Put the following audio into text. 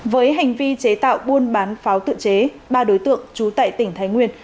với hành vi chế tạo buôn bán pháo tự chế ba đối tượng trú tại tỉnh thái nguyên